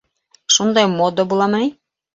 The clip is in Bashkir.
— Шундай мода буламы ни?